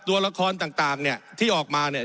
ตัวละครต่างเนี่ยที่ออกมาเนี่ย